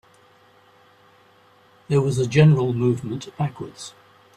There was a general movement backwards.